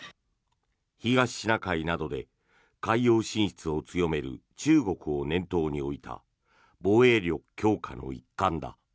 東シナ海などで海洋進出を強める中国を念頭に置いた防衛力強化の一環だ。